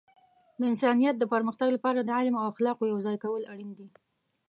د انسانیت د پرمختګ لپاره د علم او اخلاقو یوځای کول اړین دي.